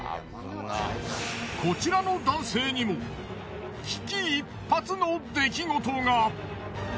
こちらの男性にも危機一髪の出来事が。